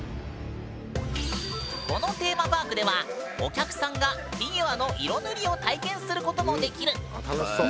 このテーマパークではお客さんがフィギュアの色塗りを体験することもできる。